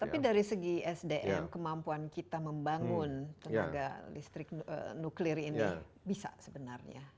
tapi dari segi sdm kemampuan kita membangun tenaga listrik nuklir ini bisa sebenarnya